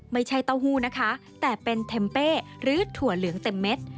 เต้าหู้นะคะแต่เป็นเทมเป้หรือถั่วเหลืองเต็มเม็ด